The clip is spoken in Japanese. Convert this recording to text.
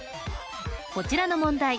こちらの問題